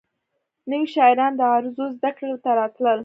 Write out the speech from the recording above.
نوي شاعران د عروضو زدکړې ته راتلل.